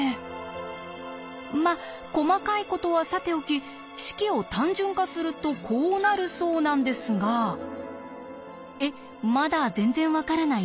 まあ細かいことはさておき式を単純化するとこうなるそうなんですがえっまだ全然分からない？ですよね。